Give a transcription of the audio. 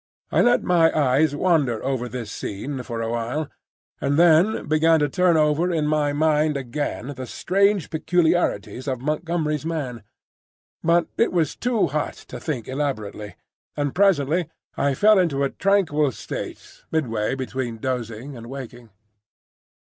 I let my eyes wander over this scene for a while, and then began to turn over in my mind again the strange peculiarities of Montgomery's man. But it was too hot to think elaborately, and presently I fell into a tranquil state midway between dozing and waking.